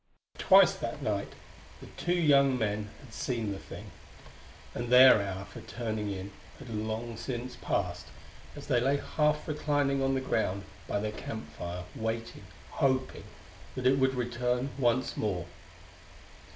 ] Twice that night the two young men had seen the thing, and their hour for turning in had long since passed as they lay half reclining on the ground by their campfire waiting, hoping that it would return once more.